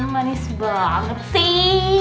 manis banget sih